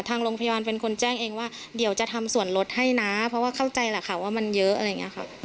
ทางโรงพยาบาลเป็นคนแจ้งเองว่าเดี๋ยวจะทำส่วนลดให้นะเพราะว่าเข้าใจแหละค่ะว่ามันเยอะอะไรอย่างนี้ค่ะ